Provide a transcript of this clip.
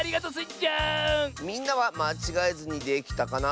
みんなはまちがえずにできたかな？